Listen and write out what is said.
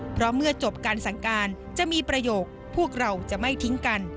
เพราะเมื่อจบการสั่งการจะมีประโยคพวกเราจะไม่ทิ้งกัน